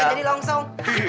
saya jadi langsung